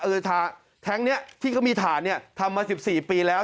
เออแท็งก์นี้ที่ก็มีถ่านนี่ทำมา๑๔ปีแล้ว